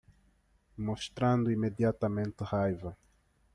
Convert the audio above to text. Mostrando imediatamente raiva